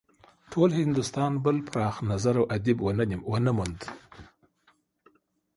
ټول هندوستان بل پراخ نظره ادیب ونه موند.